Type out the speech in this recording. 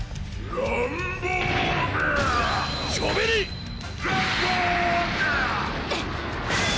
ランボーグ！